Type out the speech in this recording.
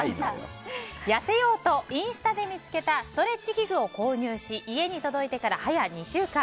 痩せようとインスタで見つけたストレッチ器具を購入し家に届いてから早２週間。